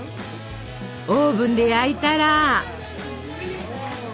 オーブンで焼いたら。